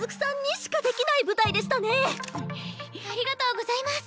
ありがとうございます！